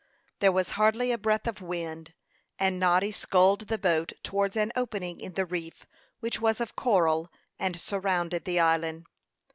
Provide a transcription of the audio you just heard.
There was hardly a breath of wind, and Noddy sculled the boat towards an opening in the reef, which was of coral, and surrounded the island.